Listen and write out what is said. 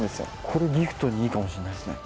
これギフトにいいかもしんないっすね。